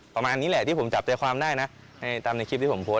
ประมาณนี้แหละที่ผมจับใจความได้นะตามในคลิปที่ผมโพสต์